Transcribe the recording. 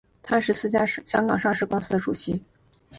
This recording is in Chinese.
他是四家香港上市公司的主席。